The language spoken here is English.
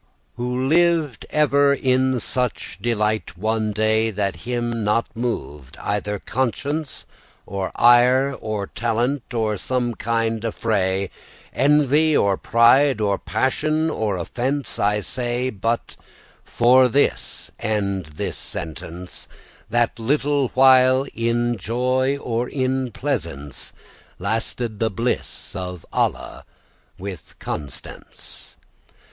Who liv'd ever in such delight one day, That him not moved either conscience, Or ire, or talent, or *some kind affray,* *some kind of disturbance* Envy, or pride, or passion, or offence? I say but for this ende this sentence,* *judgment, opinion* That little while in joy or in pleasance Lasted the bliss of Alla with Constance.